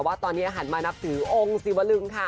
ว่าตอนนี้หันมานับถือองค์ศิวลึงค่ะ